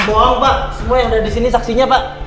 bawang pak semua yang ada di sini saksinya pak